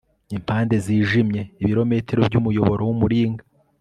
impande zijimye, ibirometero byumuyoboro wumuringa